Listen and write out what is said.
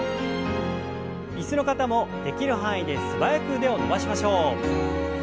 椅子の方もできる範囲で素早く腕を伸ばしましょう。